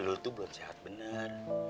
lo tuh belum sehat benar